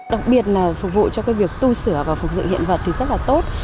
đặc biệt là phục vụ cho việc tu sửa và phục dự hiện vật thì rất là tốt